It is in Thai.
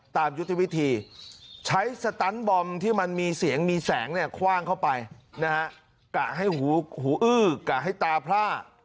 ยุทธวิธีใช้สตันบอมที่มันมีเสียงมีแสงเนี่ยคว่างเข้าไปนะฮะกะให้หูอื้อกะให้ตาพล่า